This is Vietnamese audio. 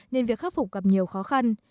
nên việc khắc phục gặp nhiều khó khăn